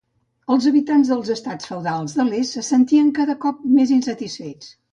Els habitants dels estats feudals de l'est se sentien cada cop més insatisfets.